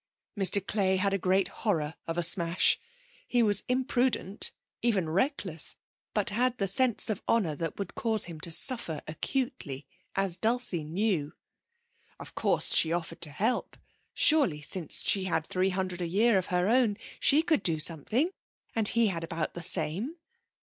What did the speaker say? Mr Clay had a great horror of a smash. He was imprudent, even reckless, but had the sense of honour that would cause him to suffer acutely, as Dulcie knew. Of course she offered to help; surely since she had three hundred a year of her own she could do something, and he had about the same....